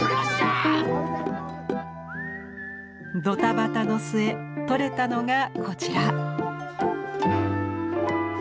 ドタバタの末撮れたのがこちら。